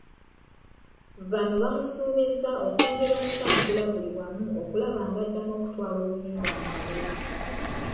Bano baamusuubizza okwongera okusaggula buli wamu okulaba ng'addamu okutwala obuyinza mu kalulu.